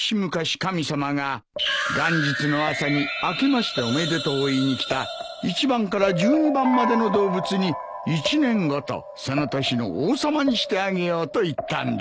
神様が元日の朝に明けましておめでとうを言いに来た１番から１２番までの動物に一年ごとその年の王様にしてあげようと言ったんだ。